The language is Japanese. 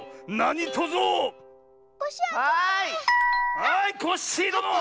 はいコッシーどの！